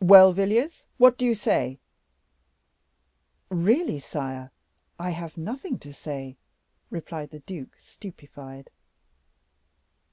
"Well, Villiers, what do you say?" "Really, sire, I have nothing to say," replied the duke, stupefied.